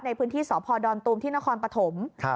ในพื้นที่สอพอร์ดอนตุมธินคลปถม